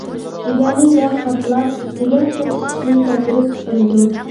جىگەرنى ياغ قاپلاپ، جىگەر قېتىشىشنى كەلتۈرۈپ چىقىرىدۇ.